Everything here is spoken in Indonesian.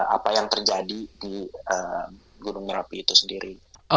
apa yang terjadi di gunung merapi itu sendiri